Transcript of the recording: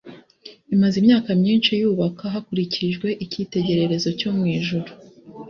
imaze imyaka myinshi yubaka hakurikijwe icyitegererezo cyo mu ijuru